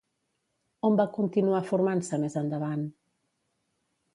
On va continuar formant-se més endavant?